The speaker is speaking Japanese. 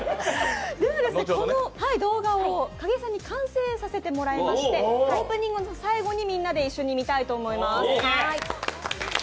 この動画を景井さんに完成させていただきましてオープニングの最後にみんなで一緒に見たいと思います。